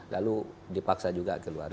lalu dipaksa juga keluar